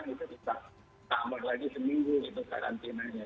itu bisa tamat lagi seminggu itu karantinanya